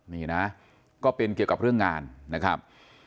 นี่นะก็เป็นเกี่ยวกับเรื่องงานนะครับ